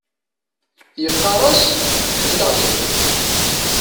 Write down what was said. Yeqqar-as: Ḥemmleɣ-kem.